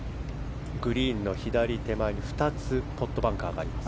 グリーンの左手前に２つトップバンカーがあります。